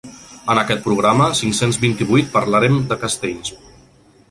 En aquest programa cinc-cents vint-i-vuit parlarem de castells.